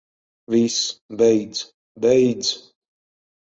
Viss, beidz. Beidz.